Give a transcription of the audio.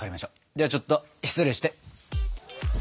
ではちょっと失礼して。